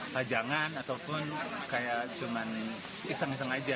pajangan ataupun kayak cuma iseng iseng aja